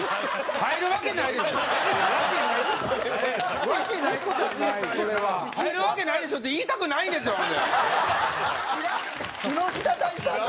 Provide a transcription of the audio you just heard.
入るわけないでしょって言いたくないんですよ、ほんで。